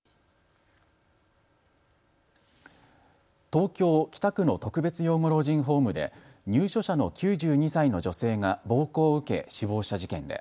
東京、北区の特別養護老人ホームで入所者の９２歳の女性が暴行を受け、死亡した事件で